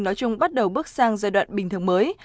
nói chung bắt đầu bước sang giai đoạn bình thường mới